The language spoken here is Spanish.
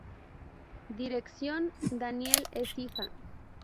Dirección: Daniel Écija.